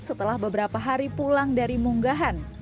setelah beberapa hari pulang dari munggahan